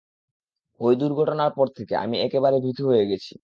ঐ দুর্ঘটনার পর থেকে আমি একেবারে ভীতু হয়ে গেছি।